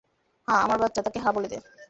হ্যাঁ, আমার বাচ্চা, তাকে হ্যাঁ বলে দে।